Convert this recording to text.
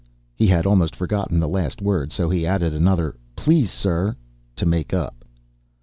He had almost forgotten the last word, so he added another "Please, sir!" to make up.